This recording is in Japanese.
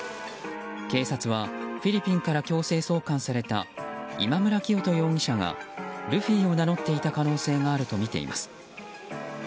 警察はフィリピンから強制送還された今村磨人容疑者がルフィを名乗っていた可能性があるとみています。